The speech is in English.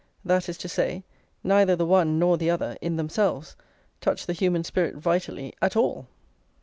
that is to say, neither the one nor the other, in themselves, touch the human spirit vitally at all.